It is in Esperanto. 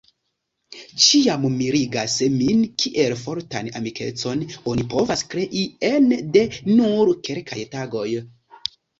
Ĉiam mirigas min kiel fortan amikecon oni povas krei ene de nur kelkaj tagoj.